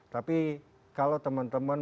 tapi kalau teman teman